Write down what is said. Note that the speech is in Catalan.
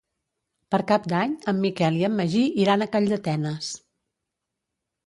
Per Cap d'Any en Miquel i en Magí iran a Calldetenes.